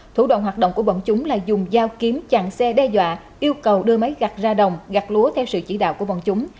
thủ đoạn hoạt động của bọn chúng là dùng dao kiếm chặn xe đe dọa yêu cầu đưa máy gặt ra đồng gặt lúa theo sự chỉ đạo của bọn chúng